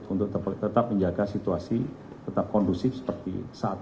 untuk tetap menjaga situasi tetap kondusif seperti saat ini